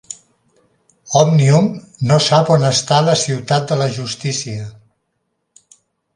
Òmnium no sap on està la Ciutat de la Justícia